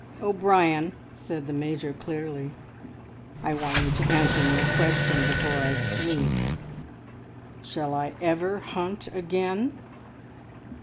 "O'Brien," said the Major clearly, "I want you to answer me a question before I sleep. Shall I ever hunt again?"